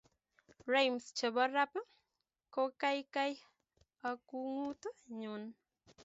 rhymes chepo rap kokaikaiiakungut nyuu